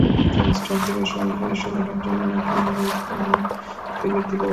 Kingston থেকে সমুদ্র দৃশ্য দেখার জন্য নেপিয়ান দ্বীপ এবং ফিলিপ দ্বীপ অবস্থিত।